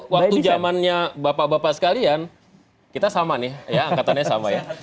waktu zamannya bapak bapak sekalian kita sama nih ya angkatannya sama ya